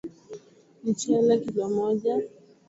Mchele Kilo moja